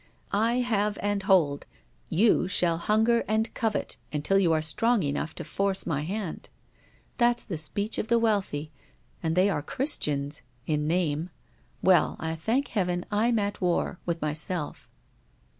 I have and hold you shall hunger and covet, until you are strong enough to force my hand: that 's the speech of the wealthy. And they are Christians. In name. Well, I thank heaven I'm at war, with myself.'